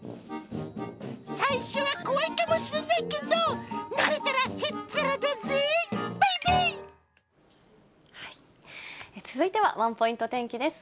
最初は怖いかもしれないけど、慣れたらへっちゃらだぜー、ベイベー！続いてはワンポイント天気です。